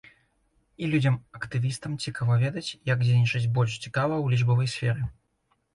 І людзям-актывістам цікава ведаць, як дзейнічаць больш цікава ў лічбавай сферы.